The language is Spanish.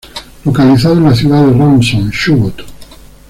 Localizado en la ciudad de Rawson Chubut.